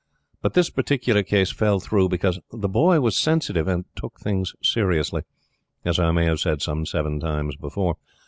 But this particular case fell through because The Boy was sensitive and took things seriously as I may have said some seven times before.